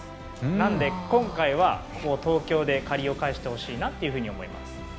なので今回は東京で借りを返してほしいなと思います。